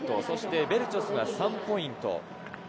そしてベルチョスが３ポイント。